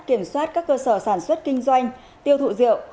kiểm soát các cơ sở sản xuất kinh doanh tiêu thụ rượu